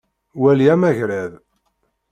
Wali amagrad.